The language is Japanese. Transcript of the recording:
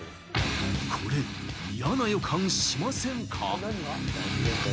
これ、嫌な予感しませんか？